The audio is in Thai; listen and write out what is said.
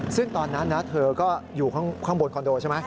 ซึ่งตอนนั้นนะเธอก็อยู่ข้างบนคอนโดใช่ไหม